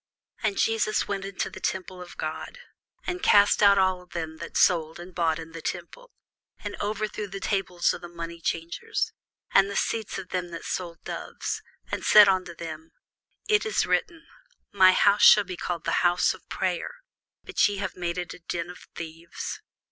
And Jesus went into the temple of God, and cast out all them that sold and bought in the temple, and overthrew the tables of the moneychangers, and the seats of them that sold doves, and said unto them, It is written, My house shall be called the house of prayer; but ye have made it a den of thieves.